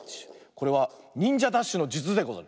これはにんじゃダッシュのじゅつでござる。